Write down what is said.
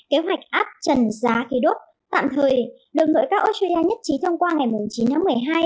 kế hoạch áp trần giá khí đốt tạm thời đường nội các australia nhất trí thông qua ngày chín tháng một mươi hai